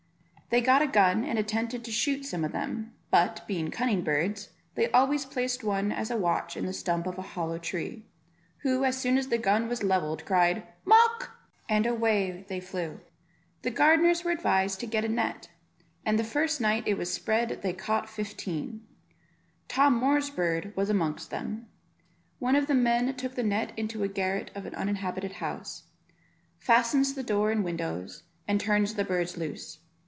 They got a gun and attempted to shoot some of them; but, being cunning birds, they always placed one as a watch in the stump of a hollow tree; who, as soon as the gun was levelled cried "Mawk," and away they flew. The gardeners were advised to get a net, and the first night it was spread they caught fifteen; Tom Moor's bird was amongst them. One of the men took the net into a garret of an uninhabited house, fastens the doors and windows, and turns the birds loose.